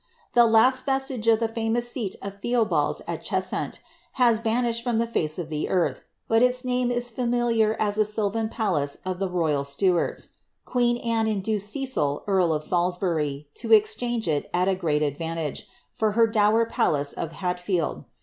The last vestige of the famous seat of Theobalds at Cheshunt, has vmnishad from the hce of the earth ; but its name is familiar as a sylvan palace of the royal Stuarts. Queen Anne induced Cecil, earl of Salis bury, to exchange it, at a great advantage, for her dower palace of Hat field.